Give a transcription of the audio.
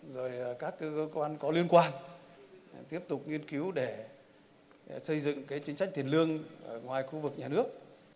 rồi các cơ quan có liên quan tiếp tục nghiên cứu để xây dựng cái chính sách tiền lương ngoài khu vực nhà nước